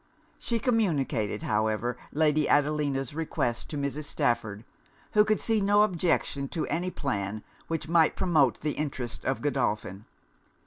She communicated, however, Lady Adelina's request to Mrs. Stafford, who could see no objection to any plan which might promote the interest of Godolphin.